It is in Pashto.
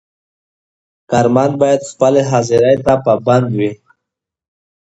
کارمند باید خپلې حاضرۍ ته پابند وي.